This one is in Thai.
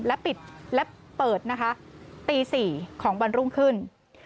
และปิดและเปิดนะคะตี๔ของวันรุ่งขึ้น